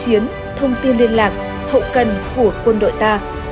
chiến thông tin liên lạc hậu cần của quân đội ta